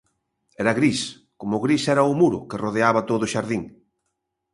Era gris, como gris era o muro que rodeaba todo o xardín.